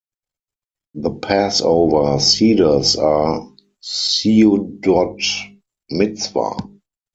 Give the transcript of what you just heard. The Passover Seders are "seudot mitzvah".